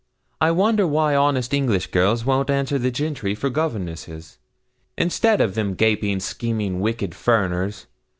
I wonder why honest English girls won't answer the gentry for governesses, instead of them gaping, scheming, wicked furriners?